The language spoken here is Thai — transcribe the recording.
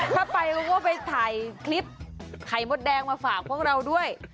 ถ้าไปเขาก็ไปถ่ายคลิปไข่มดแดงมาฝากพวกเราด้วย